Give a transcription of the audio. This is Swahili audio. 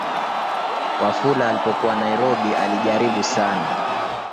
Wafula alipokuwa Nairobi alijaribu sana